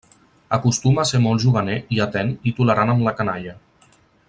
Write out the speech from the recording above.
Acostuma a ser molt juganer i atent i tolerant amb la canalla.